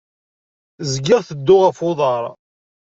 Zgiɣ tedduɣ ɣef uḍar.